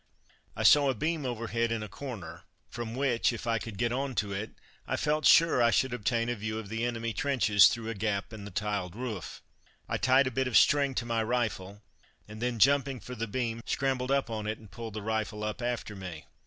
I saw a beam overhead in a corner from which, if I could get on to it, I felt sure I should obtain a view of the enemy trenches through a gap in the tiled roof. I tied a bit of string to my rifle and then jumping for the beam, scrambled up on it and pulled the rifle up after me.